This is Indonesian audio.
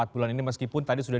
empat bulan ini meskipun tadi sudah